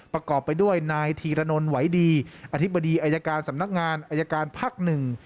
ประกอบไปด้วยนายธีรนนทไหวดีอธิบดีอายการสำนักงานอายการภักดิ์หนึ่ง